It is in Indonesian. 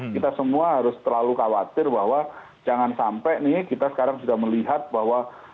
kita semua harus terlalu khawatir bahwa jangan sampai nih kita sekarang sudah melihat bahwa